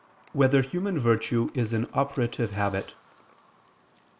2] Whether Human Virtue Is an Operative Habit?